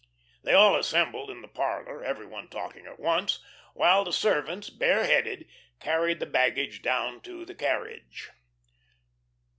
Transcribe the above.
They all assembled in the parlor, every one talking at once, while the servants, bare headed, carried the baggage down to the carriage.